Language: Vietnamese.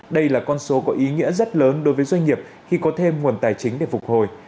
đây là con số có ý nghĩa rất lớn đối với doanh nghiệp khi có thêm nguồn tài chính để phục hồi